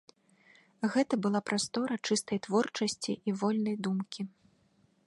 Гэта была прастора чыстай творчасці і вольнай думкі.